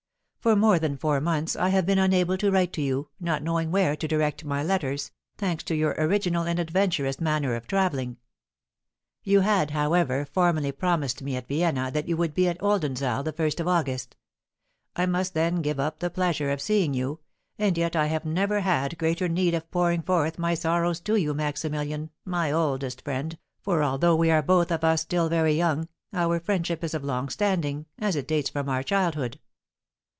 For more than four months I have been unable to write to you, not knowing where to direct my letters, thanks to your original and adventurous manner of travelling. You had, however, formally promised me at Vienna that you would be at Oldenzaal the first of August; I must then give up the pleasure of seeing you, and yet I have never had greater need of pouring forth my sorrows to you, Maximilian, my oldest friend, for although we are both of us still very young, our friendship is of long standing, as it dates from our childhood.